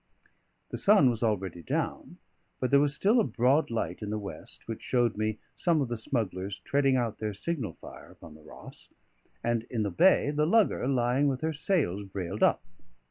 The sun was already down, but there was still a broad light in the west, which showed me some of the smugglers treading out their signal fire upon the Ross, and in the bay the lugger lying with her sails brailed up.